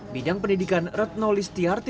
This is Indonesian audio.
bidang pendidikan retno list trt